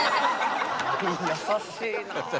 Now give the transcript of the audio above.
優しいなあ。